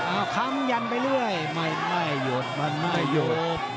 อ้าวคำยันไปเรื่อยไม่ไม่หยดมันไม่หยด